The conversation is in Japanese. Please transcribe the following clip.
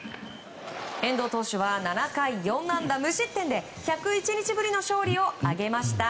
遠藤投手は７回４安打無失点で１０１日ぶりの勝利を挙げました。